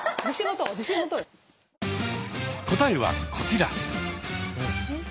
答えはこちら。